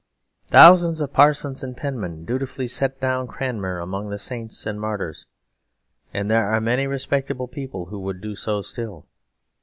Thousands of parsons and penmen dutifully set down Cranmer among the saints and martyrs; and there are many respectable people who would do so still.